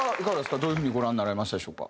どういう風にご覧になられましたでしょうか？